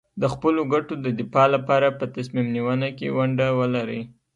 د خپلو ګټو د دفاع لپاره په تصمیم نیونه کې ونډه ولري.